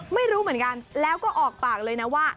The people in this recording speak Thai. ไม่รู้เหมือนกันแล้วก็ออกปากเลยนะว่า